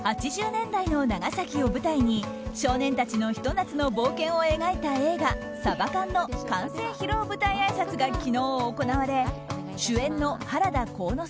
８０年代の長崎を舞台に少年たちのひと夏の冒険を描いた映画「ＳＡＢＡＫＡＮ」の完成披露舞台あいさつが昨日、行われ主演の原田琥之